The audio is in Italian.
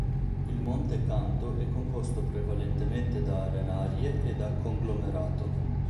Il monte Canto è composto prevalentemente da arenarie e da conglomerato.